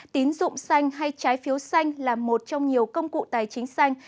tín dụng xanh hay trái phiếu xanh là một trong nhiều công cụ tài chính xanh